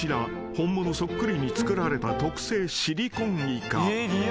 ［本物そっくりに作られた特製シリコンイカ］